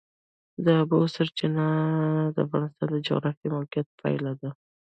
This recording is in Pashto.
د اوبو سرچینې د افغانستان د جغرافیایي موقیعت پایله ده.